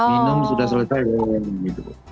minum sudah selesai minum itu bu